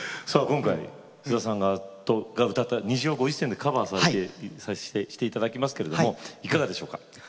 今回菅田さんが歌った「虹」をご自身でカバーして頂きますけどいかがでしょうか？